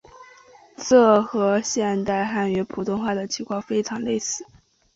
这和现代汉语普通话的情况非常类似。